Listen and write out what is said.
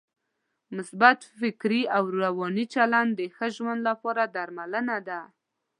مثبت فکري او روانی چلند د ښه ژوند لپاره درملنه ده.